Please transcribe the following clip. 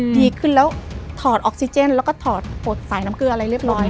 ดีขึ้นแล้วถอดออกซิเจนแล้วก็ถอดปลดสายน้ำเกลืออะไรเรียบร้อย